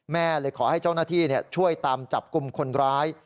แม่เลยขอให้เจ้าหน้าที่ช่วยตามจับกลุ่มคนร้าย